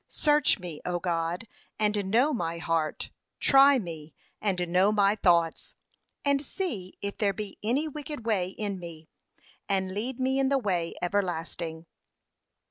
Search me, O God, and know my heart: try me, and know my thoughts: And see if there be any wicked way in me, and lead me in the way everlasting.'